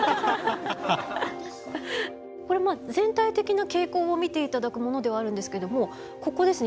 これ全体的な傾向を見ていただくものではあるんですけどもここですね